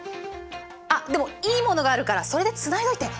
あっでもいいものがあるからそれでつないどいて！